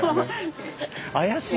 怪しい。